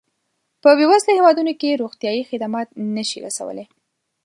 په بېوزله هېوادونو کې روغتیایي خدمات نه شي رسولای.